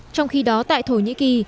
trong khi đó tại thổ nhĩ kỳ